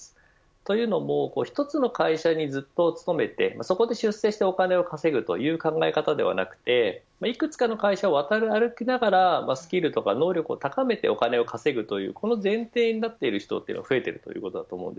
というのも一つの会社にずっと勤めてそこで出世してお金を稼ぐという考え方ではなくいくつかの会社を渡り歩きながらスキルや能力を高めてお金を稼ぐというこれが前提になっていることが増えています。